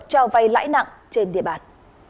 trao vay lãi nặng trên địa bàn